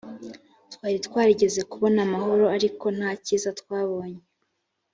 twari twiringiye kubona amahoro ariko nta cyiza twabonye